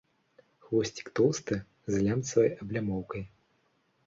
Хвосцік тоўсты, з лямцавай аблямоўкай.